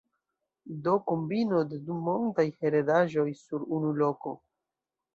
Do kombino de du mondaj heredaĵoj sur unu loko.